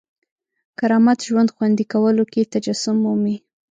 کرامت ژوند خوندي کولو کې تجسم مومي.